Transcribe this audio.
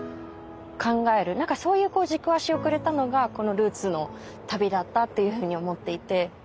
そういう軸足をくれたのがこのルーツの旅だったっていうふうに思っていて。